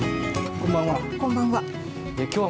こんばんは。